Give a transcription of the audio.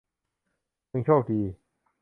มึงโชคดี